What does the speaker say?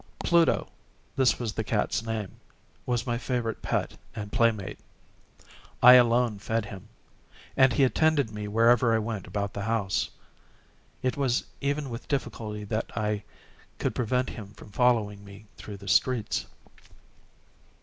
Pluto—this was the cat's name—was my favorite pet and playmate. I alone fed him, and he attended me wherever I went about the house. It was even with difficulty that I could prevent him from following me through the streets.